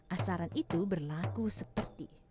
asaran itu berlaku seperti